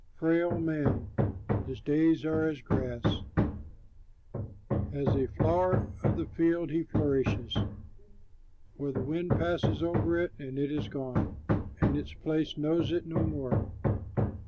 Frail man his days are as grass; As a flower of the field he flourishes, For the wind passes over it, and it is gone, And its place knows it no more.